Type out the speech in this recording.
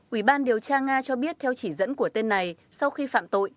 ủy ban điều tra nga cho biết theo chỉ dẫn của tên này sau khi phạm tội